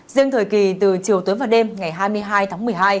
riêng thời kỳ từ chiều tối và đêm ngày hai mươi hai tháng một mươi hai